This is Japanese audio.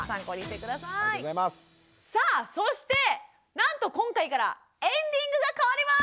さあそしてなんと今回からエンディングが変わります！